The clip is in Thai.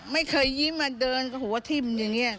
ไม่เคยยิ้มมาเดินหัวทิ่มอย่างนี้